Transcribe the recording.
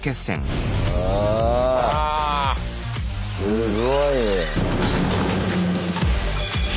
すごいね。